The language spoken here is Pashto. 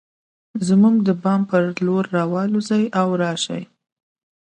زموږ د بام پر لور راوالوزي او راشي